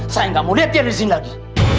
saya gak mau lihat dia disini lagi